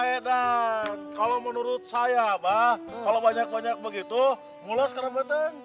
wah ya dah kalau menurut saya pak kalau banyak banyak begitu mulus karena beteng